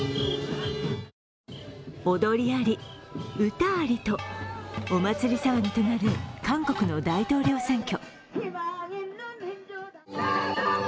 踊りあり、歌ありと、お祭り騒ぎとなる韓国の大統領選挙。